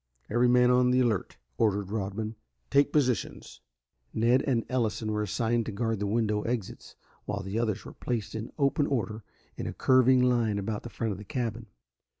Every man on the alert," ordered Rodman. "Take positions." Ned and Ellison were assigned to guard the window exits, while the others were placed in open order in a curving line about the front of the cabin.